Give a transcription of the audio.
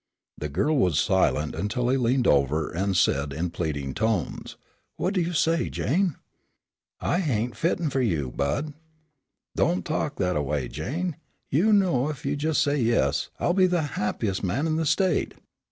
The girl was silent until he leaned over and said in pleading tones, "What do you say, Jane?" "I hain't fitten fur you, Bud." "Don't talk that a way, Jane, you know ef you jest say 'yes,' I'll be the happiest man in the state."